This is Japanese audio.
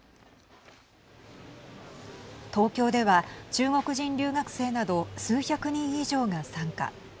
東京では中国人留学生など数百人以上が参加。